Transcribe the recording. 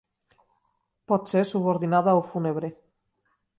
Pot ser subordinada o fúnebre.